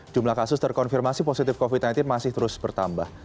jumlah kasus terkonfirmasi positif covid sembilan belas masih terus bertambah